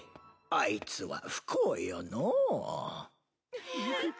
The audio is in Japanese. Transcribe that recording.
あいつは不幸よのう。